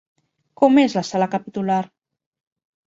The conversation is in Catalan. Com és la sala capitular?